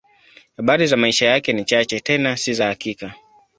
Habari za maisha yake ni chache, tena si za hakika.